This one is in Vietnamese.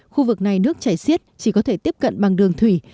khu vực này nước chảy xiết chỉ có thể tiếp cận bằng đường thủy